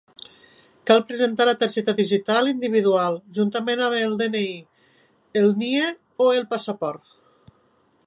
Cal presentar la targeta digital individual, juntament amb el DNI, el NIE o el passaport.